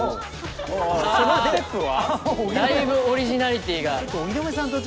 だいぶオリジナリティーがある。